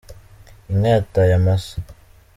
Inka yataye amase.